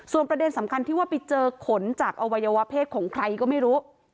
ประเด็นสำคัญที่ว่าไปเจอขนจากอวัยวะเพศของใครก็ไม่รู้